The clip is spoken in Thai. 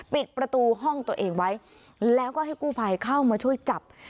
ปิดประตูห้องตัวเองไว้แล้วก็ให้กู้ภัยเข้ามาช่วยจับ